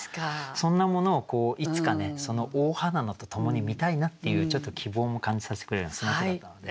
そんなものをいつかね大花野と共に見たいなっていうちょっと希望も感じさせてくれるようなそんな句だったので。